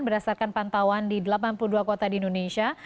berdasarkan pantauan di delapan puluh dua kota di indonesia